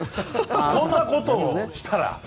こんなことをしたら。